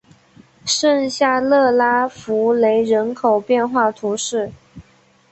圣夏勒拉福雷人口变化图示